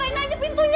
cuma itu dia tweetnya